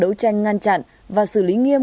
đấu tranh ngăn chặn và xử lý nghiêm